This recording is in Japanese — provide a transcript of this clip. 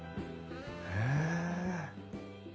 へえ。